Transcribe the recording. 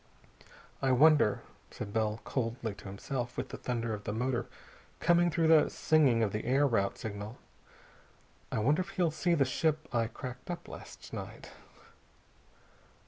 "I wonder," said Bell coldly to himself, with the thunder of the motor coming through the singing of the air route signal, "I wonder if he'll see the ship I cracked up last night?"